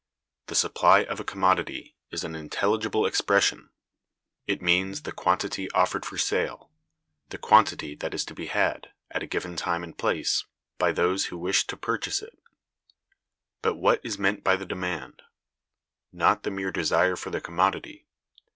The supply of a commodity is an intelligible expression: it means the quantity offered for sale; the quantity that is to be had, at a given time and place, by those who wish to purchase it. But what is meant by the demand? Not the mere desire for the commodity.